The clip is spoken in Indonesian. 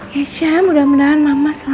kesya mudah mudahan mama selamat ya sayangnya